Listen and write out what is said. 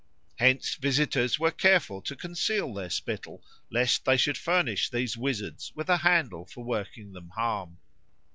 Hence visitors were careful to conceal their spittle, lest they should furnish these wizards with a handle for working them harm.